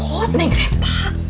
oh neng repah